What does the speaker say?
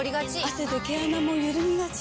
汗で毛穴もゆるみがち。